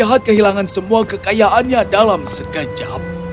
kau akan melihat kehilangan semua kekayaannya dalam sekejap